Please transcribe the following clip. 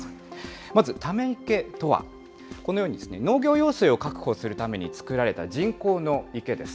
まずため池とは、このように農業用水を確保するために作られた人工の池です。